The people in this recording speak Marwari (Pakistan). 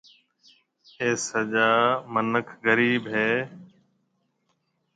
ايٿ سجا مِنک غرِيب هيَ۔